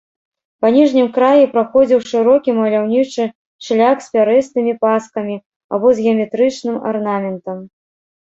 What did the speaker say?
Па ніжнім краі праходзіў шырокі маляўнічы шляк з пярэстымі паскамі або з геаметрычным арнаментам.